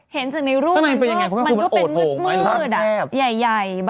เห็นสิในรูปมันก็กลงแทบ